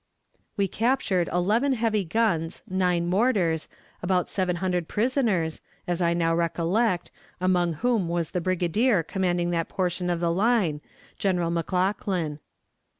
We captured eleven heavy guns, nine mortars, about seven hundred prisoners, as I now recollect, among whom was the brigadier commanding that portion of the line, General McLaughlin.